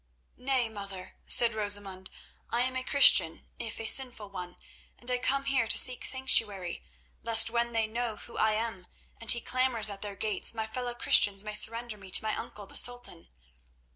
"Nay, mother," said Rosamund, "I am a Christian, if a sinful one, and I come here to seek sanctuary, lest when they know who I am and he clamours at their gates, my fellow Christians may surrender me to my uncle, the Sultan."